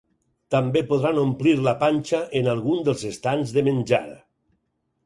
També podran omplir la panxa en algun dels estands de menjar.